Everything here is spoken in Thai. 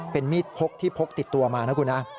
เป็นมีดพกที่พกติดตัวมานะคุณนะ